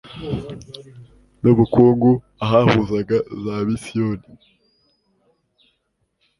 n ubukungu ahahuzaga za misiyoni